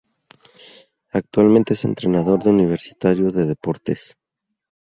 Actualmente es entrenador de Universitario de Deportes.